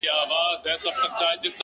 • راته شعرونه ښكاري ـ